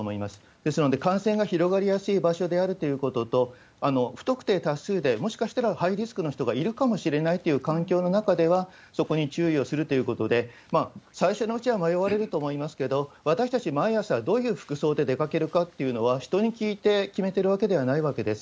ですので、感染が広がりやすい場所であるということと、不特定多数で、もしかしたらハイリスクの人がいるかもしれないという環境の中では、そこに注意をするということで、最初のうちは迷われると思いますけれども、私たち、毎朝、どういう服装で出かけるかっていうのは、人に聞いて決めてるわけではないわけです。